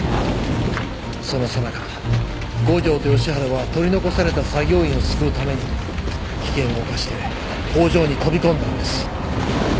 そのさなか五条と吉原は取り残された作業員を救うために危険を冒して工場に飛び込んだんです。